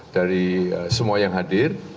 dari semua yang hadir